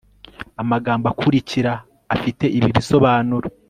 amagambo akurikira afite ibi ibisobanuro